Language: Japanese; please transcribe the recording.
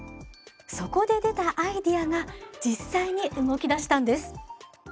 そこで出たアイデアが実際に動き出したんです！